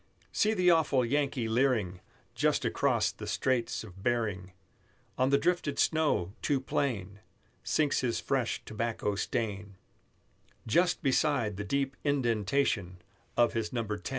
See the awful Yankee leering Just across the Straits of Behring; On the drifted snow, too plain, Sinks his fresh tobacco stain, Just beside the deep inden Tation of his Number 10.